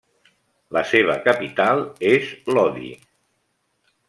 La seva capital és Lodi.